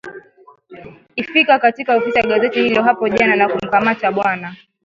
ifika katika ofisi ya gazeti hilo hapo jana nakumkamata bwana